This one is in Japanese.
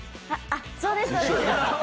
あ、そうですそうです。